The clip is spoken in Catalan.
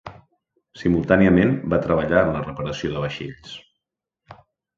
Simultàniament va treballar en la reparació de vaixells.